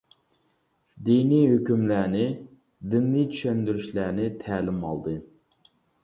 دىنى ھۆكۈملەرنى، دىننى چۈشەندۈرۈشلەرنى تەلىم ئالدى.